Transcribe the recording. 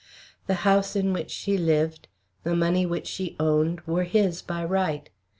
The house in which she lived, the money which she owned were his by right.